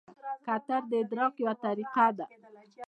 کتل د ادراک یوه طریقه ده